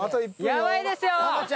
やばいですよ！